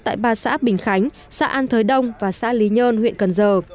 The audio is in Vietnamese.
tại ba xã bình khánh xã an thới đông và xã lý nhơn huyện cần giờ